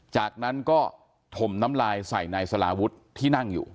จากนั้นก็ถมน้ำลายใส่นายสลาวุฒิที่นั่งอยู่